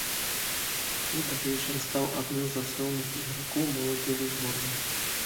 У далейшым стаў адным з асноўных ігракоў моладзевай зборнай.